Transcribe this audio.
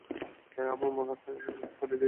আমার মনে হয়, আমি একেবারে ফাটিয়ে দিয়েছি।